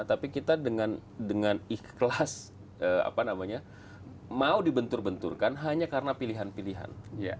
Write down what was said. tapi kita dengan ikhlas mau dibentur benturkan hanya karena pilihan pilihan